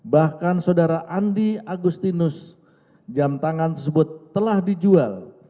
bahkan saudara andi agustinus jam tangan tersebut telah dijual